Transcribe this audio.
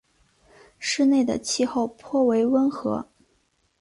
市内的气候颇为温和。